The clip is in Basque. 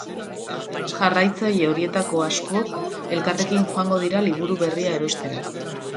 Jarraitzaile horietako asko elkarrekin joango dira liburu berria erostera.